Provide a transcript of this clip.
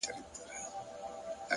موخه لرونکی فکر سرګرداني کموي،